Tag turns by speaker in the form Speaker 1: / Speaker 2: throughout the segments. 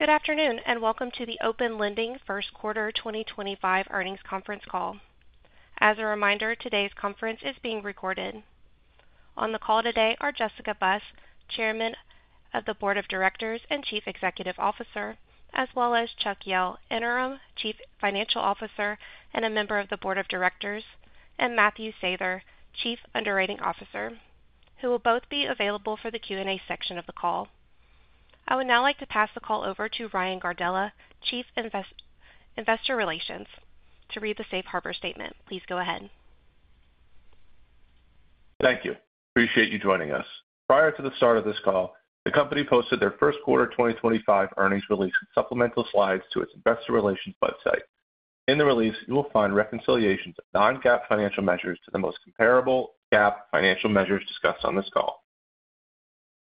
Speaker 1: Good afternoon and welcome to the Open Lending First Quarter 2025 Earnings Conference Call. As a reminder, today's conference is being recorded. On the call today are Jessica Buss, Chairman of the Board of Directors and Chief Executive Officer, as well as Chuck Jehl, Interim Chief Financial Officer and a member of the Board of Directors, and Matthew Sather, Chief Underwriting Officer, who will both be available for the Q&A section of the call. I would now like to pass the call over to Ryan Gardella, Chief Investor Relations, to read the Safe Harbor Statement. Please go ahead.
Speaker 2: Thank you. Appreciate you joining us. Prior to the start of this call, the company posted their First Quarter 2025 Earnings Release with Supplemental Slides to its Investor Relations Website. In the release, you will find reconciliations of non-GAAP financial measures to the most comparable GAAP financial measures discussed on this call.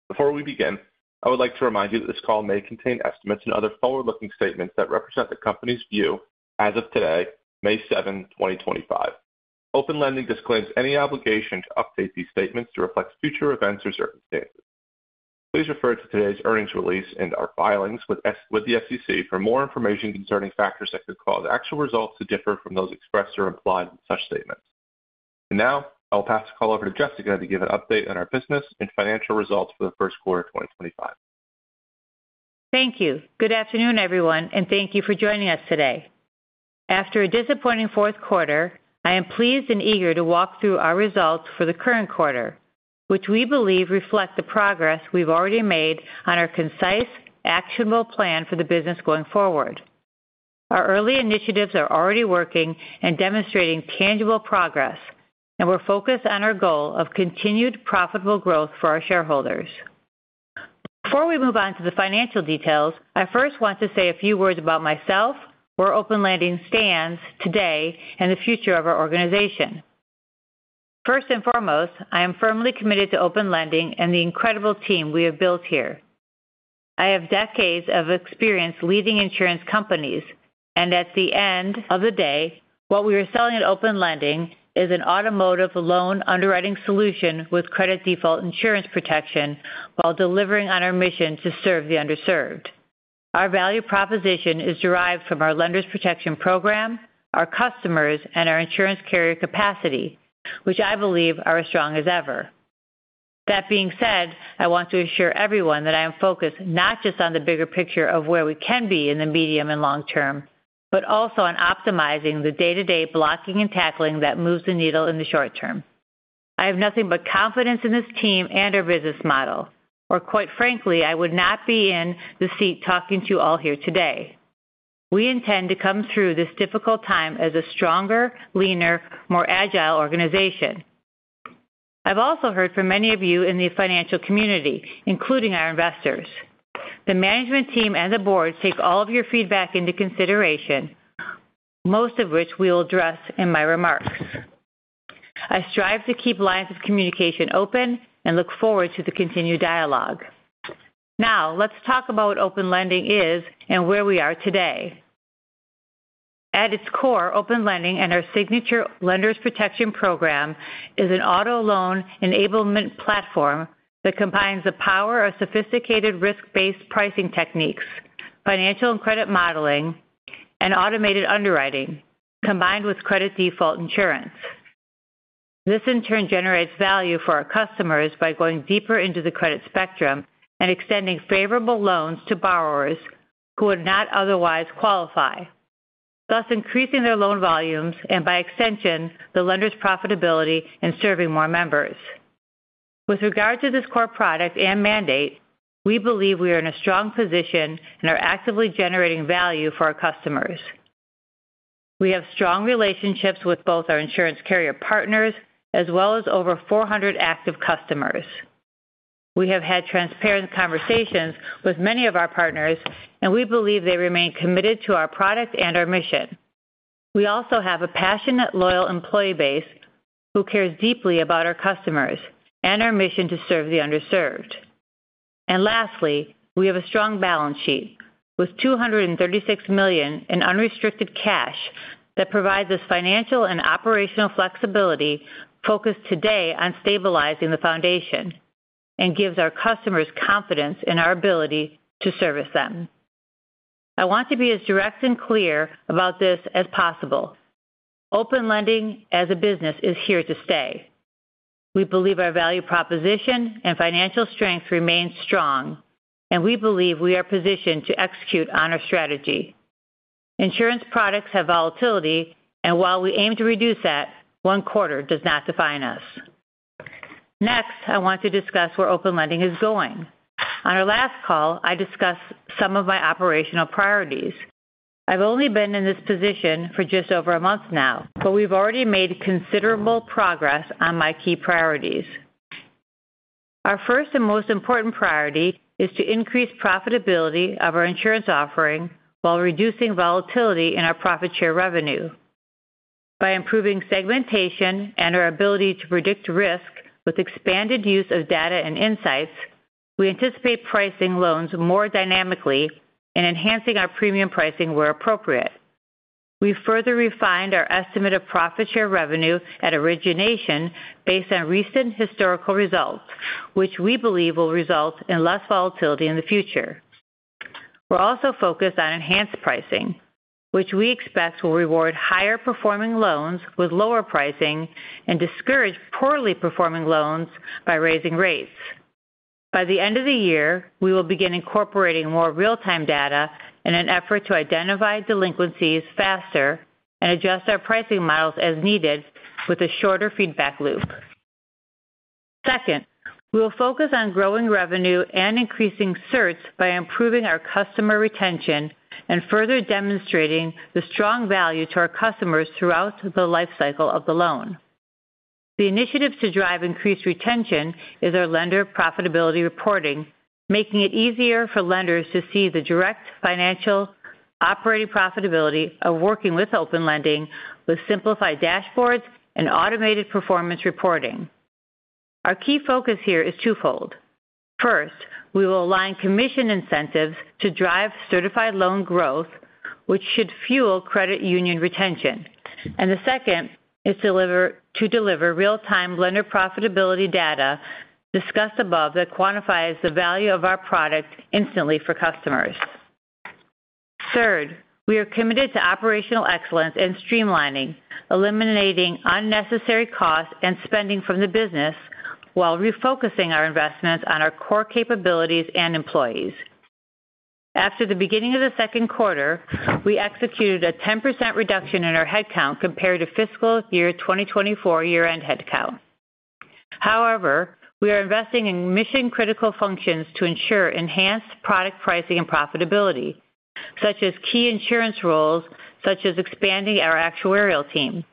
Speaker 2: Before we begin, I would like to remind you that this call may contain estimates and other forward-looking statements that represent the company's view as of today, May 7, 2025. Open Lending disclaims any obligation to update these statements to reflect future events or circumstances. Please refer to today's earnings release and our filings with the SEC for more information concerning factors that could cause actual results to differ from those expressed or implied in such statements. I will pass the call over to Jessica to give an update on our business and financial results for the Q1 2025.
Speaker 3: Thank you. Good afternoon, everyone, and thank you for joining us today. After a disappointing fourth quarter, I am pleased and eager to walk through our results for the current quarter, which we believe reflect the progress we've already made on our concise, actionable plan for the business going forward. Our early initiatives are already working and demonstrating tangible progress, and we're focused on our goal of continued profitable growth for our shareholders. Before we move on to the financial details, I first want to say a few words about myself, where Open Lending stands today, and the future of our organization. First and foremost, I am firmly committed to Open Lending and the incredible team we have built here. I have decades of experience leading insurance companies, and at the end of the day, what we are selling at Open Lending is an Automotive Loan underwriting solution with credit default insurance protection while delivering on our mission to serve the underserved. Our value proposition is derived from our Lender's Protection Program, our customers, and our insurance carrier capacity, which I believe are as strong as ever. That being said, I want to assure everyone that I am focused not just on the bigger picture of where we can be in the medium and long term, but also on optimizing the day-to-day blocking and tackling that moves the needle in the short term. I have nothing but confidence in this team and our business model, or quite frankly, I would not be in the seat talking to you all here today. We intend to come through this difficult time as a stronger, leaner, more agile organization. I've also heard from many of you in the financial community, including our investors. The management team and the board take all of your feedback into consideration, most of which we will address in my remarks. I strive to keep lines of communication open and look forward to the continued dialogue. Now, let's talk about what Open Lending is and where we are today. At its core, Open Lending and our signature Lender's Protection Program is an Auto Loan enablement platform that combines the power of sophisticated risk-based pricing techniques, financial and credit modeling, and automated underwriting, combined with credit default insurance. This, in turn, generates value for our customers by going deeper into the credit spectrum and extending favorable loans to borrowers who would not otherwise qualify, thus increasing their loan volumes and, by extension, the lender's profitability and serving more members. With regard to this core product and mandate, we believe we are in a strong position and are actively generating value for our customers. We have strong relationships with both our insurance carrier partners as well as over 400 active customers. We have had transparent conversations with many of our partners, and we believe they remain committed to our product and our mission. We also have a passionate, loyal employee base who cares deeply about our customers and our mission to serve the underserved. Lastly, we have a strong balance sheet with $236 million in unrestricted cash that provides us financial and operational flexibility, focused today on stabilizing the foundation, and gives our customers confidence in our ability to service them. I want to be as direct and clear about this as possible. Open Lending, as a business, is here to stay. We believe our value proposition and financial strength remain strong, and we believe we are positioned to execute on our strategy. Insurance products have volatility, and while we aim to reduce that, one quarter does not define us. Next, I want to discuss where Open Lending is going. On our last call, I discussed some of my operational priorities. I've only been in this position for just over a month now, but we've already made considerable progress on my key priorities. Our first and most important priority is to increase the profitability of our insurance offering while reducing volatility in our profit-share revenue. By improving segmentation and our ability to predict risk with expanded use of data and insights, we anticipate pricing loans more dynamically and enhancing our premium pricing where appropriate. We further refined our estimate of profit-share revenue at origination based on recent historical results, which we believe will result in less volatility in the future. We're also focused on enhanced pricing, which we expect will reward higher-performing loans with lower pricing and discourage poorly performing loans by raising rates. By the end of the year, we will begin incorporating more real-time data in an effort to identify delinquencies faster and adjust our pricing models as needed with a shorter feedback loop. Second, we will focus on growing revenue and increasing certs by improving our customer retention and further demonstrating the strong value to our customers throughout the life cycle of the loan. The initiative to drive increased retention is our lender profitability reporting, making it easier for lenders to see the direct financial operating profitability of working with Open Lending with simplified dashboards and automated performance reporting. Our key focus here is twofold. First, we will align commission incentives to drive Certified Loan Growth, which should fuel credit union retention. The second is to deliver real-time lender profitability data discussed above that quantifies the value of our product instantly for customers. Third, we are committed to operational excellence and streamlining, eliminating unnecessary costs and spending from the business while refocusing our investments on our core capabilities and employees. After the beginning of the second quarter, we executed a 10% reduction in our headcount compared to fiscal year 2024 year-end headcount. However, we are investing in mission-critical functions to ensure enhanced product pricing and profitability, such as key insurance roles, such as expanding our actuarial team.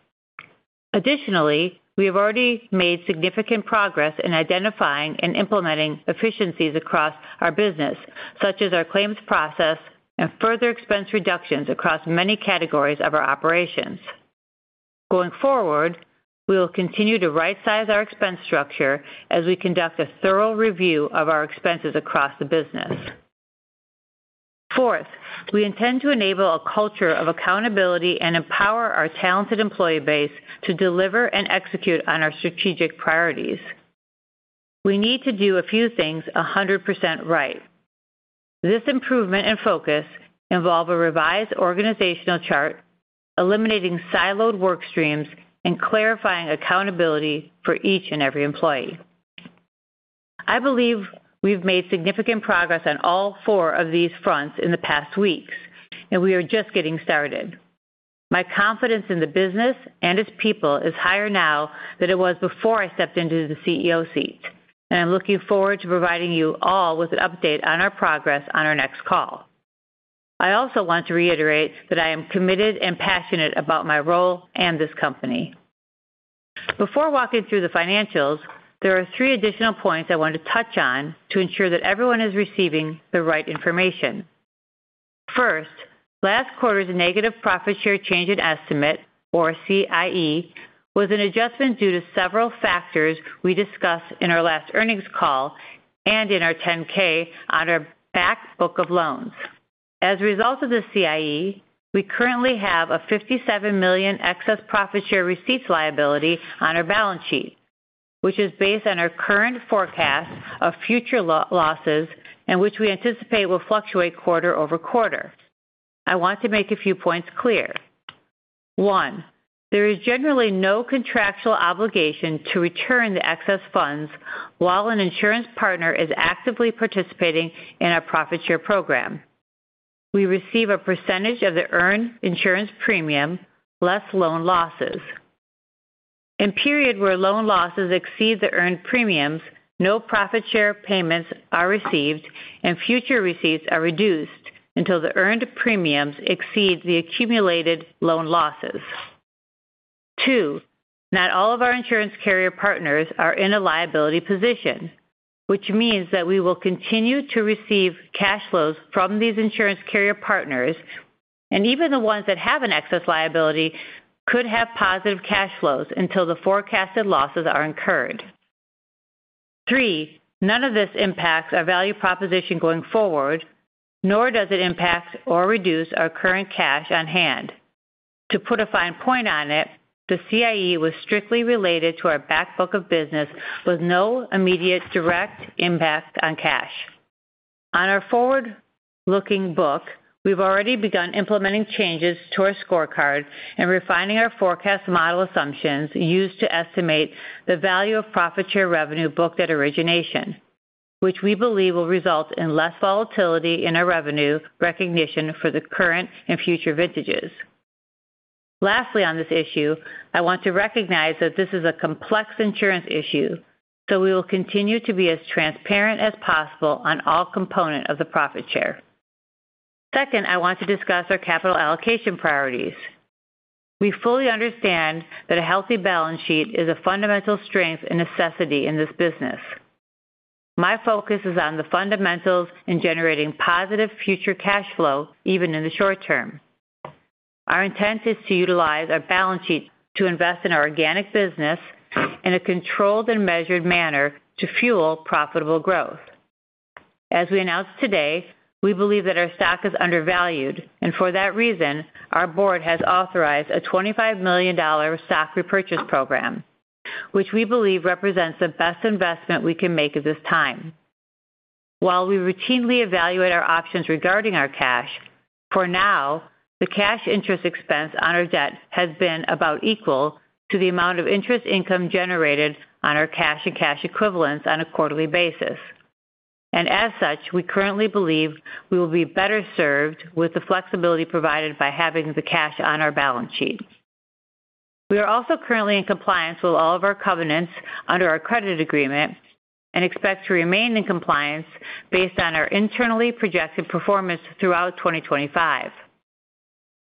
Speaker 3: Additionally, we have already made significant progress in identifying and implementing efficiencies across our business, such as our claims process and further expense reductions across many categories of our operations. Going forward, we will continue to right-size our expense structure as we conduct a thorough review of our expenses across the business. Fourth, we intend to enable a culture of accountability and empower our talented employee base to deliver and execute on our strategic priorities. We need to do a few things 100% right. This improvement and focus involve a revised organizational chart, eliminating siloed work streams, and clarifying accountability for each and every employee. I believe we've made significant progress on all four of these fronts in the past weeks, and we are just getting started. My confidence in the business and its people is higher now than it was before I stepped into the CEO seat, and I'm looking forward to providing you all with an update on our progress on our next call. I also want to reiterate that I am committed and passionate about my role and this company. Before walking through the financials, there are three additional points I want to touch on to ensure that everyone is receiving the right information. First, last quarter's negative profit share change in estimate or CIE, was an adjustment due to several factors we discussed in our last earnings call and in our 10-K on our backbook of loans. As a result of the CIE, we currently have a $57 million excess profit share receipts liability on our balance sheet, which is based on our current forecast of future losses and which we anticipate will fluctuate quarter over quarter. I want to make a few points clear. One, there is generally no contractual obligation to return the excess funds while an insurance partner is actively participating in our profit share program. We receive a percentage of the earned insurance premium less loan losses. In a period where loan losses exceed the earned premiums, no profit share payments are received, and future receipts are reduced until the earned premiums exceed the accumulated loan losses. Two, not all of our insurance carrier partners are in a liability position, which means that we will continue to receive cash flows from these insurance carrier partners, and even the ones that have an excess liability could have positive cash flows until the forecasted losses are incurred. Three, none of this impacts our value proposition going forward, nor does it impact or reduce our current cash on hand. To put a fine point on it, the CIE was strictly related to our backbook of business with no immediate direct impact on cash. On our forward-looking book, we've already begun implementing changes to our scorecard and refining our forecast model assumptions used to estimate the value of profit share revenue booked at origination, which we believe will result in less volatility in our revenue recognition for the current and future vintages. Lastly, on this issue, I want to recognize that this is a complex insurance issue, so we will continue to be as transparent as possible on all components of the profit share. Second, I want to discuss our capital allocation priorities. We fully understand that a healthy balance sheet is a fundamental strength and necessity in this business. My focus is on the fundamentals in generating positive future cash flow, even in the short term. Our intent is to utilize our balance sheet to invest in our organic business in a controlled and measured manner to fuel profitable growth. As we announced today, we believe that our stock is undervalued, and for that reason, our board has authorized a $25 million stock repurchase program, which we believe represents the best investment we can make at this time. While we routinely evaluate our options regarding our cash, for now, the cash interest expense on our debt has been about equal to the amount of interest income generated on our cash and cash equivalents on a quarterly basis. As such, we currently believe we will be better served with the flexibility provided by having the cash on our balance sheet. We are also currently in compliance with all of our covenants under our credit agreement and expect to remain in compliance based on our internally projected performance throughout 2025.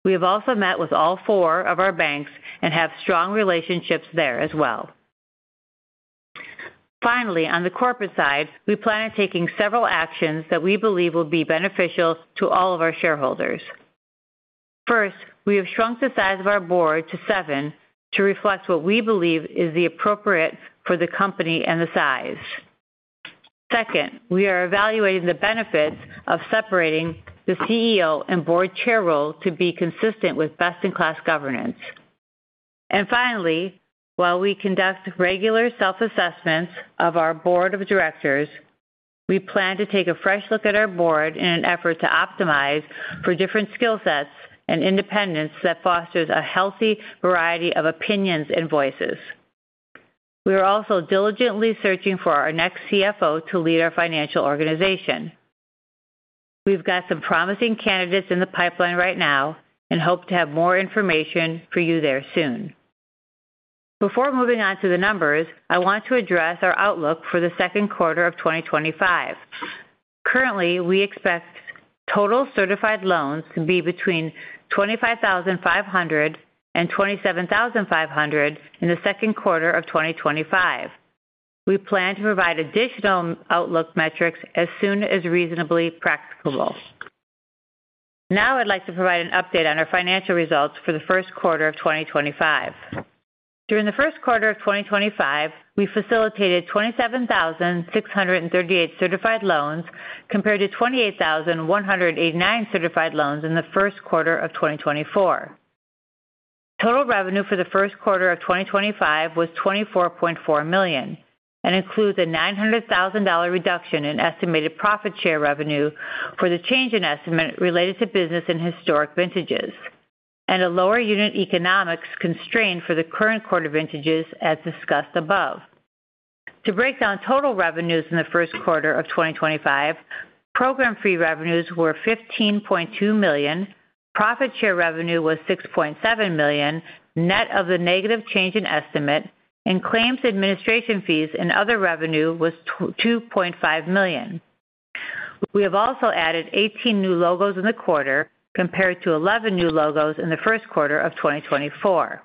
Speaker 3: We have also met with all four of our banks and have strong relationships there as well. Finally, on the corporate side, we plan on taking several actions that we believe will be beneficial to all of our shareholders. First, we have shrunk the size of our board to seven to reflect what we believe is appropriate for the company and the size. Second, we are evaluating the benefits of separating the CEO and board chair role to be consistent with best-in-class governance. Finally, while we conduct regular self-assessments of our board of directors, we plan to take a fresh look at our board in an effort to optimize for different skill sets and independence that fosters a healthy variety of opinions and voices. We are also diligently searching for our next CFO to lead our financial organization. We've got some promising candidates in the pipeline right now and hope to have more information for you there soon. Before moving on to the numbers, I want to address our Outlook for the Q2 of 2025. Currently, we expect total certified loans to be between 25,500 and 27,500 in the Q2 of 2025. We plan to provide additional outlook metrics as soon as reasonably practicable. Now, I'd like to provide an update on our financial results for the first quarter of 2025. During the first quarter of 2025, we facilitated 27,638 certified loans compared to 28,189 certified loans in the first quarter of 2024. Total revenue for the first quarter of 2025 was $24.4 million and includes a $900,000 reduction in estimated profit share revenue for the change in estimate related to business and historic vintages, and a lower unit economics constraint for the current quarter vintages as discussed above. To break down total revenues in the Q1 of 2025, program fee revenues were $15.2 million, profit share revenue was $6.7 million net of the negative change in estimate, and claims administration fees and other revenue was $2.5 million. We have also added 18 new logos in the quarter compared to 11 new logos in the first quarter of 2024.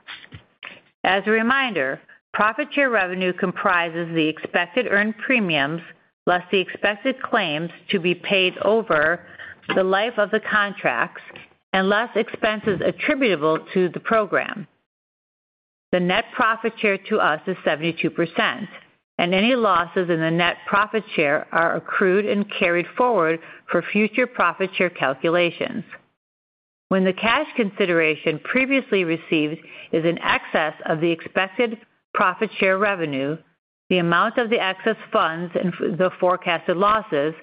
Speaker 3: As a reminder, profit share revenue comprises the expected earned premiums less the expected claims to be paid over the life of the contracts and less expenses attributable to the program. The net profit share to us is 72%, and any losses in the net profit share are accrued and carried forward for future profit share calculations. When the cash consideration previously received is in excess of the expected profit share revenue, the amount of the excess funds and the forecasted losses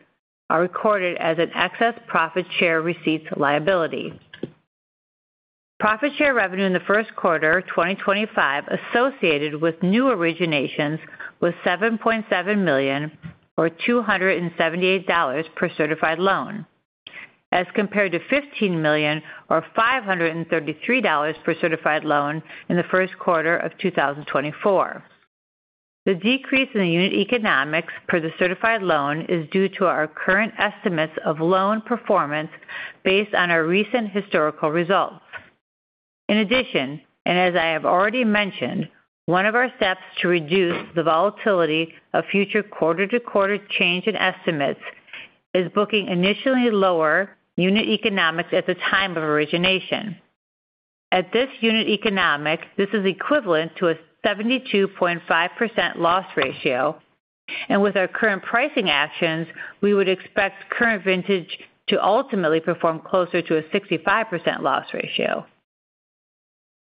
Speaker 3: are recorded as an excess profit share receipts liability. Profit share revenue in the Q1 of 2025 associated with new originations was $7.7 million, or $278 per certified loan, as compared to $15 million, or $533 per certified loan in the Q1 of 2024. The decrease in the unit economics per the certified loan is due to our current estimates of loan performance based on our recent historical results. In addition, and as I have already mentioned, one of our steps to reduce the volatility of future quarter-to-quarter change in estimates is booking initially lower unit economics at the time of origination. At this unit economic, this is equivalent to a 72.5% loss ratio, and with our current pricing actions, we would expect current vintage to ultimately perform closer to a 65% loss ratio.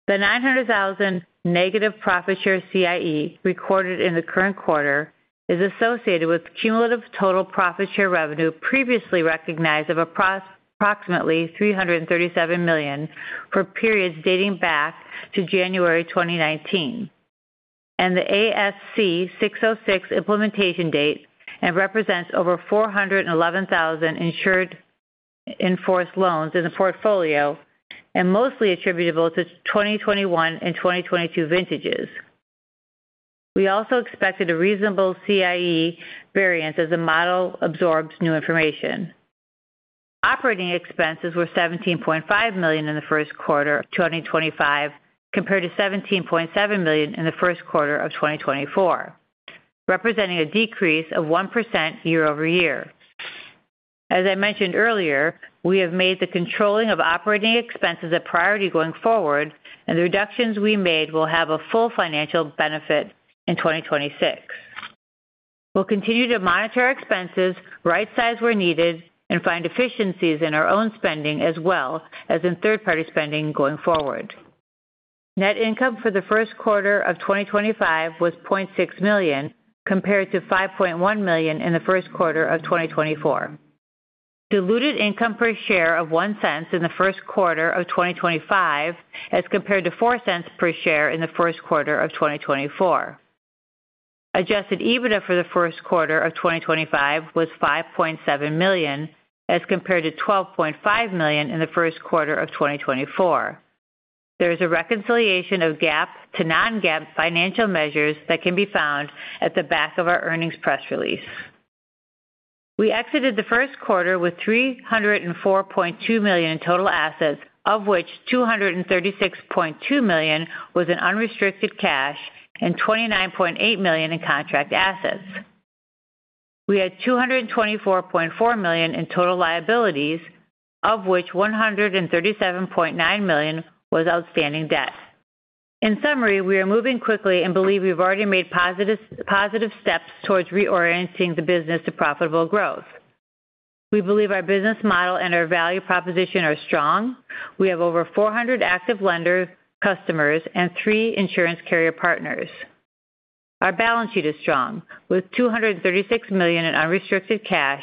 Speaker 3: The $900,000 negative profit share CIE recorded in the current quarter is associated with cumulative total profit share revenue previously recognized of approximately $337 million for periods dating back to January 2019, and the ASC 606 implementation date and represents over 411,000 insured enforced loans in the portfolio and mostly attributable to 2021 and 2022 vintages. We also expected a reasonable CIE variance as the model absorbs new information. Operating expenses were $17.5 million in the first quarter of 2025 compared to $17.7 million in the first quarter of 2024, representing a decrease of 1% year-over-year. As I mentioned earlier, we have made the controlling of operating expenses a priority going forward, and the reductions we made will have a full financial benefit in 2026. We'll continue to monitor expenses, right-size where needed, and find efficiencies in our own spending as well as in third-party spending going forward. Net income for the first quarter of 2025 was $0.6 million compared to $5.1 million in the first quarter of 2024. Diluted income per share of $0.01 in the first quarter of 2025 as compared to $0.04 per share in the first quarter of 2024. Adjusted EBITDA for the first quarter of 2025 was $5.7 million as compared to $12.5 million in the first quarter of 2024. There is a reconciliation of GAAP to non-GAAP financial measures that can be found at the back of our earnings press release. We exited the first quarter with $304.2 million in total assets, of which $236.2 million was in unrestricted cash and $29.8 million in contract assets. We had $224.4 million in total liabilities, of which $137.9 million was outstanding debt. In summary, we are moving quickly and believe we've already made positive steps towards reorienting the business to profitable growth. We believe our business model and our value proposition are strong. We have over 400 active lender customers and three insurance carrier partners. Our balance sheet is strong with $236.2 million in unrestricted cash,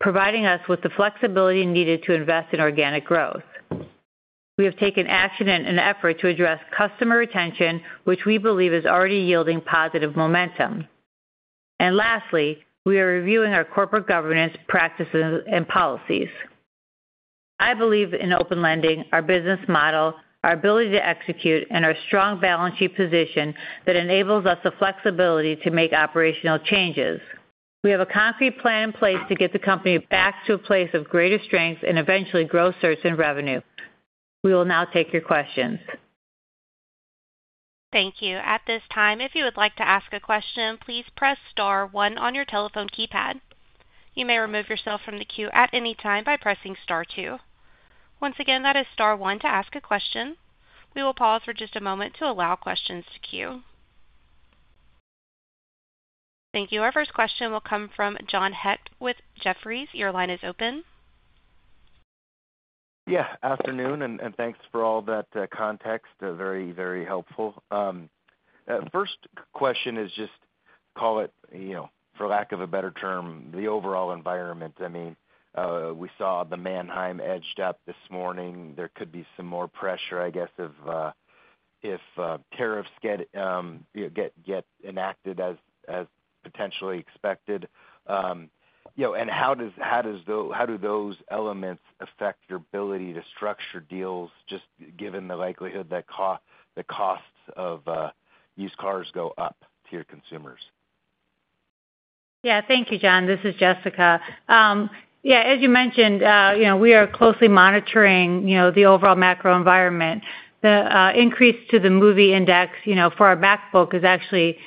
Speaker 3: providing us with the flexibility needed to invest in organic growth. We have taken action and an effort to address customer retention, which we believe is already yielding positive momentum. Lastly, we are reviewing our corporate governance practices and policies. I believe in Open Lending, our business model, our ability to execute, and our strong balance sheet position that enables us the flexibility to make operational changes. We have a concrete plan in place to get the company back to a place of greater strength and eventually grow search and revenue. We will now take your questions.
Speaker 1: Thank you. At this time, if you would like to ask a question, please press Star one on your telephone keypad. You may remove yourself from the queue at any time by pressing Star two Once again, that is Star one to ask a question. We will pause for just a moment to allow questions to queue. Thank you. Our first question will come from John Hett with Jefferies. Your line is open. Yeah. Afternoon, and thanks for all that context. Very, very helpful.
Speaker 4: First question is just call it, for lack of a better term, the overall environment. I mean, we saw the Manheim index edged up this morning. There could be some more pressure, I guess, if tariffs get enacted as potentially expected. How do those elements affect your ability to structure deals just given the likelihood that costs of used cars go up to your consumers?
Speaker 3: Yeah. Thank you, John. This is Jessica. Yeah. As you mentioned, we are closely monitoring the overall macro environment. The increase to the Manheim index for our backbook is actually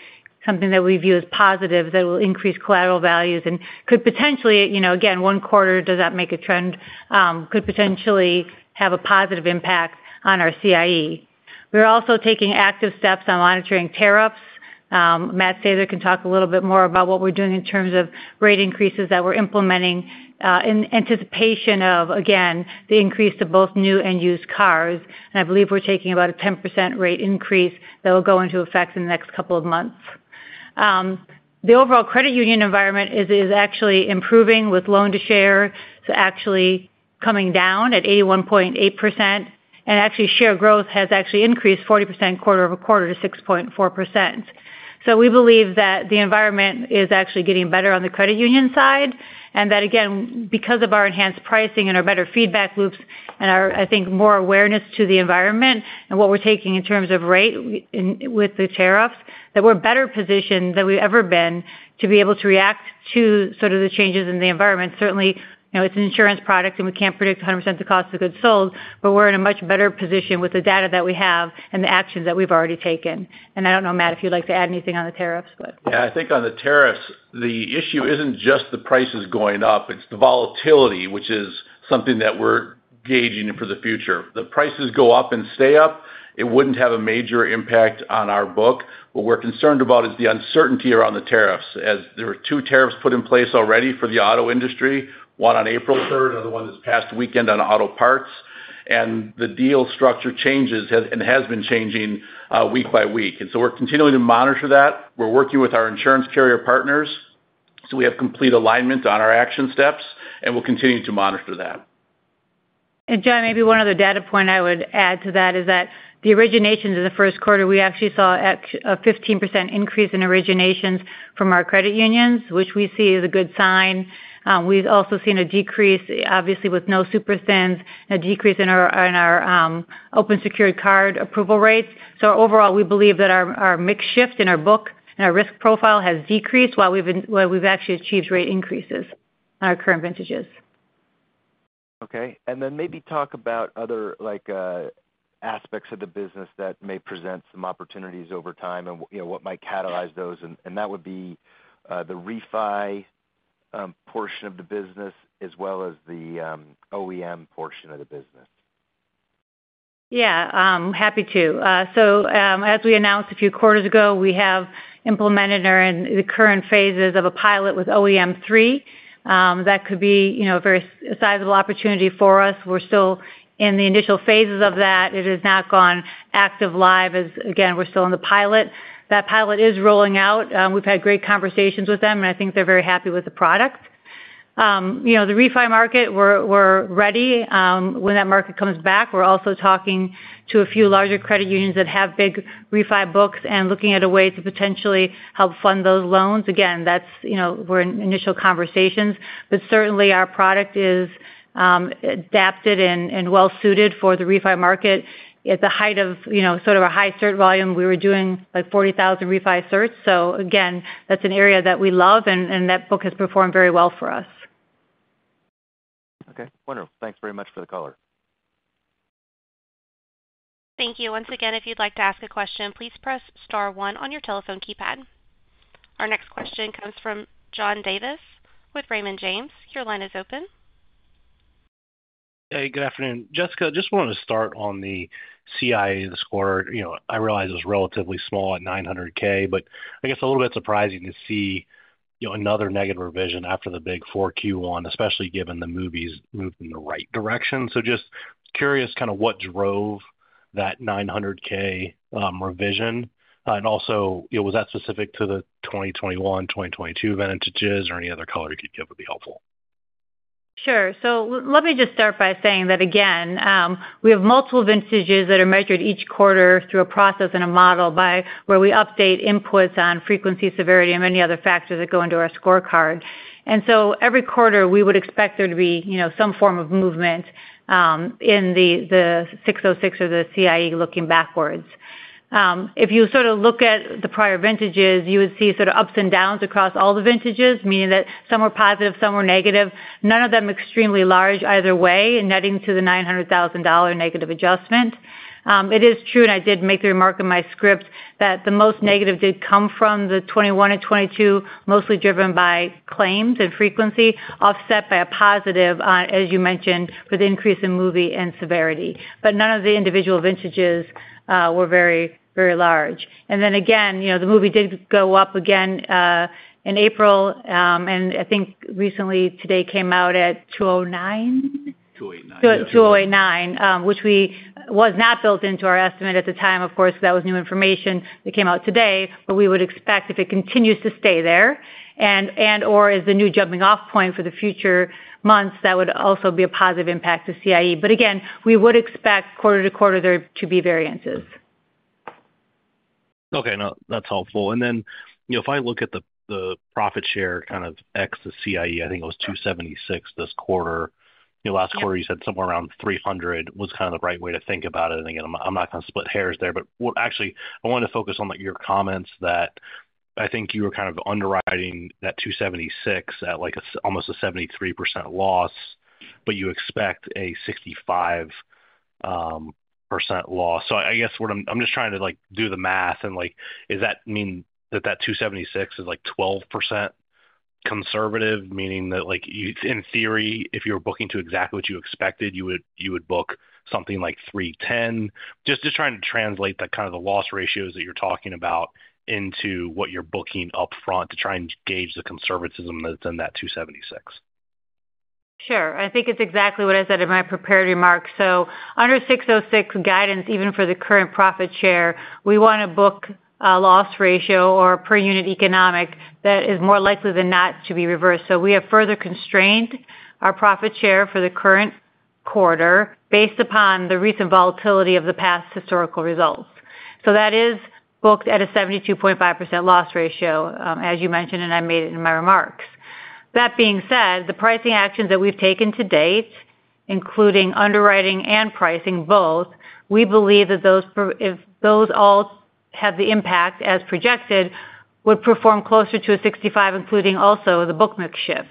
Speaker 3: something that we view as positive that will increase collateral values and could potentially, again, one quarter, does that make a trend, could potentially have a positive impact on our CIE. We are also taking active steps on monitoring tariffs. Matt Sather can talk a little bit more about what we're doing in terms of rate increases that we're implementing in anticipation of, again, the increase to both new and used cars. I believe we're taking about a 10% rate increase that will go into effect in the next couple of months. The overall credit union environment is actually improving with loan-to-share actually coming down at 81.8%, and share growth has actually increased 40% quarter over quarter to 6.4%. We believe that the environment is actually getting better on the credit union side and that, again, because of our enhanced pricing and our better feedback loops and our, I think, more awareness to the environment and what we're taking in terms of rate with the tariffs, we're better positioned than we've ever been to be able to react to sort of the changes in the environment. Certainly, it's an insurance product and we can't predict 100% the cost of goods sold, but we're in a much better position with the data that we have and the actions that we've already taken. I don't know, Matt, if you'd like to add anything on the tariffs, but.
Speaker 4: Yeah. I think on the tariffs, the issue isn't just the prices going up. It's the volatility, which is something that we're gauging for the future. The prices go up and stay up, it wouldn't have a major impact on our book. What we're concerned about is the uncertainty around the tariffs as there are two tariffs put in place already for the auto industry, one on April 3rd and the one this past weekend on auto parts. The deal structure changes and has been changing week by week. We are continuing to monitor that. We're working with our insurance carrier partners. We have complete alignment on our action steps, and we'll continue to monitor that.
Speaker 3: John, maybe one other data point I would add to that is that the originations in the first quarter, we actually saw a 15% increase in originations from our credit unions, which we see as a good sign. We've also seen a decrease, obviously, with no super thins, a decrease in our open secured card approval rates. Overall, we believe that our mix shift in our book and our risk profile has decreased while we've actually achieved rate increases on our current vintages.
Speaker 4: Okay. Maybe talk about other aspects of the business that may present some opportunities over time and what might catalyze those. That would be the refi portion of the business as well as the OEM portion of the business. Yeah.
Speaker 3: Happy to. As we announced a few quarters ago, we have implemented the current phases of a pilot with OEM-3. That could be a very sizable opportunity for us. We're still in the initial phases of that. It has not gone active live as, again, we're still in the pilot. That pilot is rolling out. We've had great conversations with them, and I think they're very happy with the product. The refi market, we're ready. When that market comes back, we're also talking to a few larger credit unions that have big refi books and looking at a way to potentially help fund those loans. Again, we're in initial conversations, but certainly our product is adapted and well-suited for the refi market. At the height of sort of a high cert volume, we were doing like 40,000 refi-certs. Again, that's an area that we love, and that book has performed very well for us.
Speaker 4: Okay. Wonderful. Thanks very much for the caller.
Speaker 1: Thank you. Once again, if you'd like to ask a question, please press Star one on your telephone keypad. Our next question comes from John Davis with Raymond James. Your line is open.
Speaker 5: Hey. Good afternoon. Jessica, just wanted to start on the CIE this quarter. I realize it was relatively small at $900,000, but I guess a little bit surprising to see another negative revision after the big fourth quarter one, especially given the movies moved in the right direction. Just curious kind of what drove that $900,000 revision. And also, was that specific to the 2021, 2022 vintages, or any other color you could give would be helpful? Sure.
Speaker 3: Let me just start by saying that, again, we have multiple vintages that are measured each quarter through a process and a model where we update inputs on frequency, severity, and many other factors that go into our scorecard. Every quarter, we would expect there to be some form of movement in the 606 or the CIE looking backwards. If you sort of look at the prior vintages, you would see sort of ups and downs across all the vintages, meaning that some were positive, some were negative. None of them extremely large either way, netting to the $900,000 negative adjustment. It is true, and I did make the remark in my script that the most negative did come from the 2021 and 2022, mostly driven by claims and frequency, offset by a positive, as you mentioned, with increase in movie and severity. None of the individual vintages were very, very large. The Manheim index did go up again in April, and I think recently today came out at 209, which was not built into our estimate at the time. Of course, that was new information that came out today, but we would expect if it continues to stay there and/or is the new jumping-off point for the future months, that would also be a positive impact to CIE. We would expect quarter to quarter there to be variances.
Speaker 5: Okay. No, that's helpful. If I look at the profit share kind of ex the CIE, I think it was $276,000 this quarter. Last quarter, you said somewhere around $300,000 was kind of the right way to think about it. Again, I'm not going to split hairs there, but actually, I wanted to focus on your comments that I think you were kind of underwriting that $276 at almost a 73% loss, but you expect a 65% loss. I guess I'm just trying to do the math. Does that mean that that $276 is like 12% conservative, meaning that in theory, if you were booking to exactly what you expected, you would book something like $310? Just trying to translate that kind of the loss ratios that you're talking about into what you're booking upfront to try and gauge the conservatism that's in that $276.
Speaker 3: Sure. I think it's exactly what I said in my prepared remarks. Under 606 guidance, even for the current profit share, we want to book a loss ratio or a per unit economic that is more likely than not to be reversed. We have further constrained our profit share for the current quarter based upon the recent volatility of the past historical results. That is booked at a 72.5% loss ratio, as you mentioned, and I made it in my remarks. That being said, the pricing actions that we've taken to date, including underwriting and pricing both, we believe that those all have the impact as projected, would perform closer to a 65%, including also the book mix shift.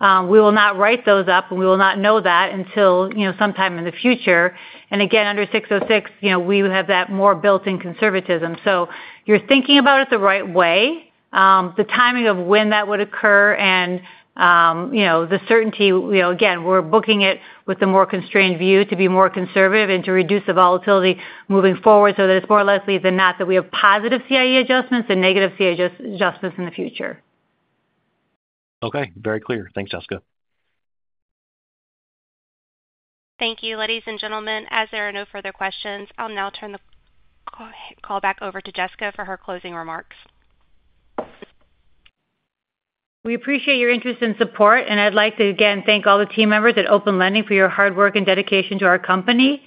Speaker 3: We will not write those up, and we will not know that until sometime in the future. Again, under 606, we have that more built-in conservatism. You're thinking about it the right way. The timing of when that would occur and the certainty, again, we're booking it with a more constrained view to be more conservative and to reduce the volatility moving forward so that it's more likely than not that we have positive CIE adjustments and negative CIE adjustments in the future.
Speaker 5: Okay. Very clear. Thanks, Jessica.
Speaker 1: Thank you. Ladies and gentlemen, as there are no further questions, I'll now turn the call back over to Jessica for her closing remarks.
Speaker 3: We appreciate your interest and support, and I'd like to again thank all the team members at Open Lending for your hard work and dedication to our company.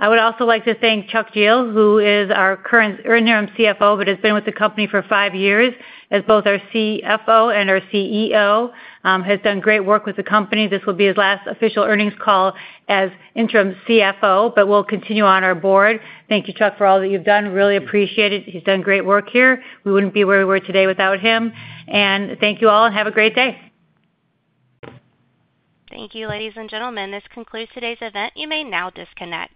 Speaker 3: I would also like to thank Chuck Jehl, who is our current interim CFO, but has been with the company for five years as both our CFO and our CEO. He has done great work with the company. This will be his last official earnings call as interim CFO, but he'll continue on our board. Thank you, Chuck, for all that you've done. Really appreciate it. He's done great work here. We wouldn't be where we are today without him. Thank you all, and have a great day. Thank you. Ladies and gentlemen, this concludes today's event. You may now disconnect.